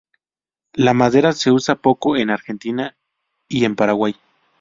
La madera se usa poco en Argentina y en Paraguay.